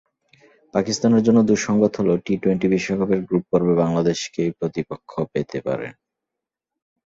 পাকিস্তানের জন্য দুঃসংবাদ হলো, টি-টোয়েন্টি বিশ্বকাপের গ্রুপ পর্বে বাংলাদেশকেই প্রতিপক্ষ পেতে পারে পাকিস্তান।